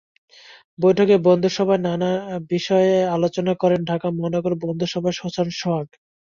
বৈঠকে বন্ধুসভার নানা বিষয়ে আলোচনা করেন ঢাকা মহানগর বন্ধুসভার হোসাইন সোহাগ।